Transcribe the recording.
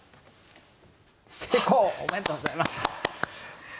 おめでとうございます。